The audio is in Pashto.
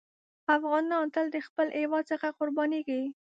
افغانان تل د خپل هېواد څخه قربانېږي.